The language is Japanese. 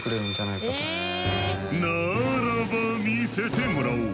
ならば見せてもらおう！